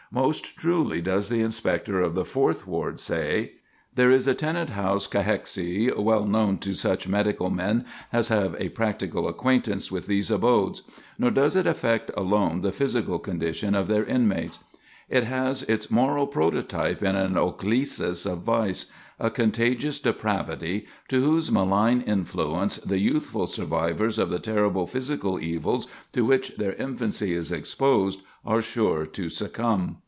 Most truly does the Inspector of the Fourth Ward say: [Sidenote: Tenant House Cachexy] "There is a tenant house cachexy well known to such medical men as have a practical acquaintance with these abodes; nor does it affect alone the physical condition of their inmates. It has its moral prototype in an ochlesis of vice a contagious depravity, to whose malign influence the youthful survivors of the terrible physical evils to which their infancy is exposed, are sure to succumb.